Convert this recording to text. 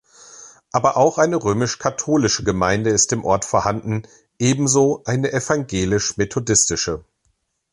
Aber auch eine römisch-katholische Gemeinde ist im Ort vorhanden, ebenso eine evangelisch-methodistische.